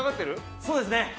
そうですね。